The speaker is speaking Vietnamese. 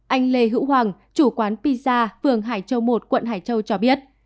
anh lê hữu hoàng chủ quán piza phường hải châu một quận hải châu cho biết